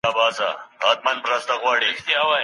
هر مسلمان بايد متعهد وي، چي د هيچا حقوقو ته به ضرر نه رسوي.